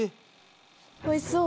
おいしそう！